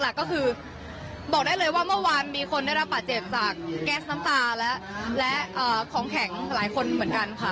หลักก็คือบอกได้เลยว่าเมื่อวานมีคนได้รับบาดเจ็บจากแก๊สน้ำตาและของแข็งหลายคนเหมือนกันค่ะ